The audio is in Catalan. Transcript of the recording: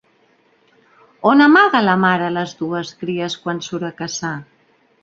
On amaga la mare les dues cries quan surt a caçar?